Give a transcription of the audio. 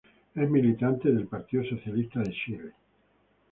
Es militante del Partido Socialista de Chile.